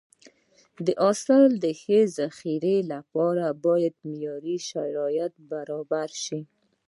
د حاصل د ښه ذخیرې لپاره باید معیاري شرایط برابر شي.